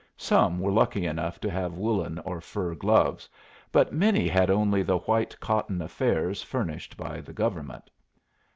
Some were lucky enough to have woollen or fur gloves, but many had only the white cotton affairs furnished by the government.